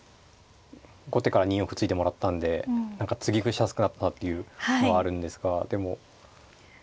後手から２四歩突いてもらったんで継ぎ歩しやすくなったっていうのはあるんですがでも。